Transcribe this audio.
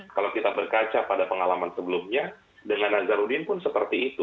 kalau kita berkaca pada pengalaman sebelumnya dengan nazarudin pun seperti itu